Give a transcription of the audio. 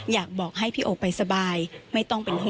อยากบอกให้พี่โอไปสบายไม่ต้องเป็นห่วง